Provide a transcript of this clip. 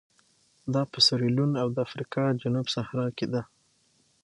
دا په سیریلیون او د افریقا جنوب صحرا کې ده.